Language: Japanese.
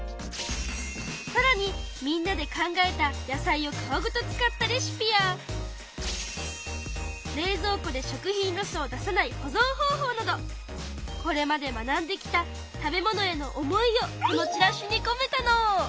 さらにみんなで考えた野菜を皮ごと使ったレシピや冷蔵庫で食品ロスを出さない保ぞん方法などこれまで学んできた食べ物への思いをこのチラシにこめたの！